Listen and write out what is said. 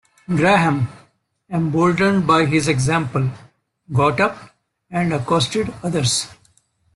Graham, emboldened by his example, got up and accosted others.